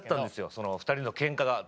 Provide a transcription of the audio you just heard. その２人のケンカが。